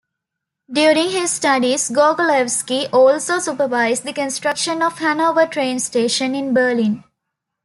During his studies, Gorgolewski also supervised the construction of Hanover Train Station in Berlin.